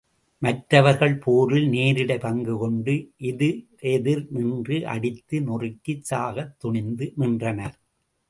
மற்றவர்கள் போரில் நேரிடை பங்கு கொண்டு எதி ரெதிர் நின்று அடித்து நொறுக்கிச் சாகத் துணிந்து நின்றனர்.